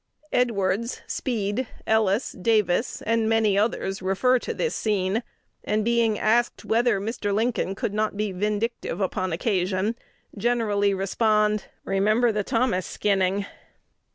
Edwards, Speed, Ellis, Davis, and many others, refer to this scene, and, being asked whether Mr. Lincoln could not be vindictive upon occasion, generally respond, "Remember the Thomas skinning."